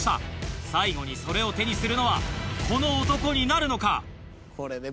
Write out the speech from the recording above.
最後にそれを手にするのはこの男になるのか？